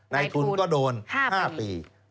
ในทุนก็โดน๕ปี